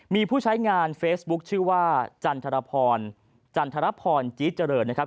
มีผู้ใช้งานเฟซบุ๊กชื่อว่าจันทรพรจีจริรนะครับ